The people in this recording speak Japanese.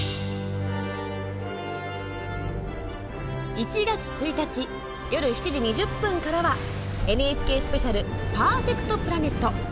１月１日、夜７時２０分からはＮＨＫスペシャル「パーフェクト・プラネット」。